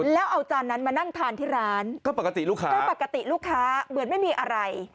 แล้วเอาจานนั้นมานั่งทานที่ร้านก็ปกติลูกค้าก็ปกติลูกค้าเหมือนไม่มีอะไร